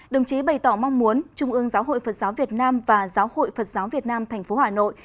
đồng chí bày tỏ mong muốn trung ương giáo hội phật giáo việt nam và giáo hội phật giáo việt nam tp hà nội